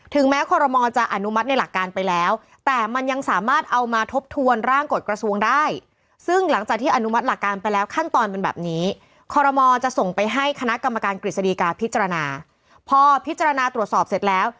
ถึงแม้คอรมอจะอนุมัติในหลักการไปแล้ว